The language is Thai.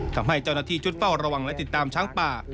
ทำให้เจ้าหน้าที่ชุดเฝ้าระวังและติดตามช้างป่า